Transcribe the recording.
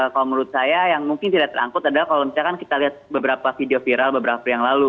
kalau menurut saya yang mungkin tidak terangkut adalah kalau misalkan kita lihat beberapa video viral beberapa yang lalu